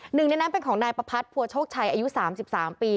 หนึ่งในนั้นเป็นของนายประพัติภัวโชคชัยอายุสามสิบสามปี